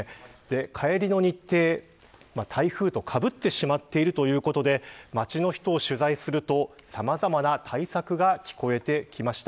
帰りの日程、台風とかぶってしまっているということで街の人を取材するとさまざまな対策が聞こえてきました。